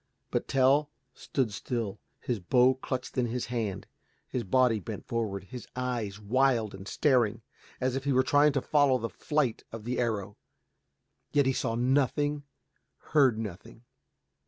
But Tell stood still, his bow clutched in his hand, his body bent forward, his eyes wild and staring, as if he were trying to follow the flight of the arrow. Yet he saw nothing, heard nothing.